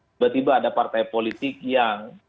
tiba tiba ada partai politik yang